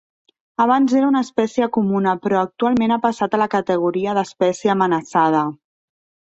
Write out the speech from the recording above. Abans era una espècie comuna però actualment ha passat a la categoria d'espècie amenaçada.